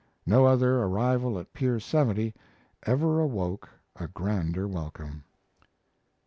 No other arrival at Pier 70 ever awoke a grander welcome.